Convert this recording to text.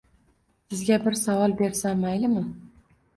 Sizga bir savol bersam maylimi?